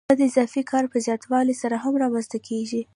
دا د اضافي کار په زیاتوالي سره هم رامنځته کېږي